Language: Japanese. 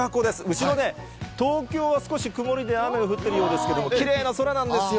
後ろね、東京は少し曇りで雨が降ってるようですけれども、きれいな空なんですよ。